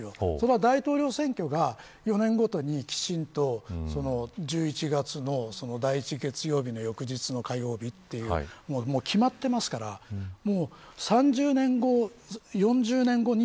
大統領選挙が４年ごとにきちんと１１月の第１月曜日の翌日の火曜日というふうに決まっていますから３０年後、４０年後に